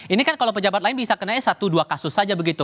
ini kan kalau pejabat lain bisa kenanya satu dua kasus saja begitu